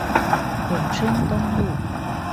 永春東路